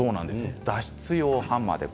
脱出用ハンマーです。